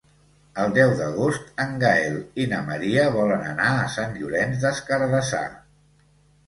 El deu d'agost en Gaël i na Maria volen anar a Sant Llorenç des Cardassar.